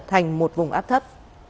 và suy yếu dần thành một vùng áp thấp